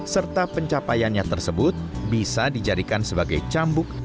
serta pencapaiannya tersebut bisa dijadikan sebagai cambuk akhirnya